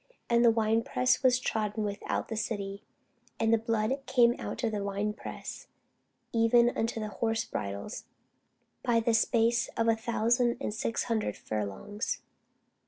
And the winepress was trodden without the city, and blood came out of the winepress, even unto the horse bridles, by the space of a thousand and six hundred furlongs.